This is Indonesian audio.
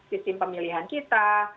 sistem pemilihan kita